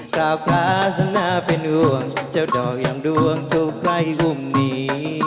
เท่าขาฉันหน้าเป็นห่วงเจ้าดอกอย่างดวงตุกใครหุ่มหนี